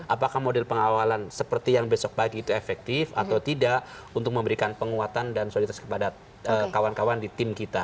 apakah model pengawalan seperti yang besok pagi itu efektif atau tidak untuk memberikan penguatan dan soliditas kepada kawan kawan di tim kita